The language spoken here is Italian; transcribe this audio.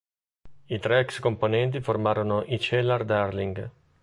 I tre ex componenti formarono i Cellar Darling.